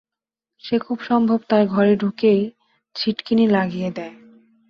সে খুব সম্ভব তার ঘরে ঢুকেই ছিটিকিনি লাগিয়ে দেয়।